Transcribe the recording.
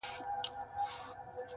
او د نیکه نکلونه نه ختمېدل!!